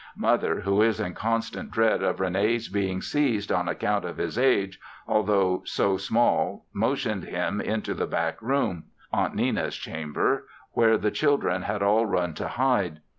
Mother, who is in constant dread of Rene's being seized on account of his age, altho' so small, motioned him into the back room, (Aunt Nenna's chamber), where the children had all run to hide.